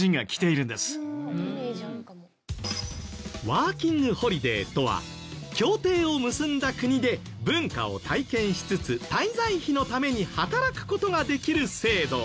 ワーキングホリデーとは協定を結んだ国で文化を体験しつつ滞在費のために働く事ができる制度。